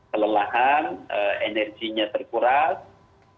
kelelahan energinya terkuras